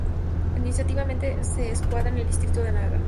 Administrativamente se encuadra en el Distrito de Anaga.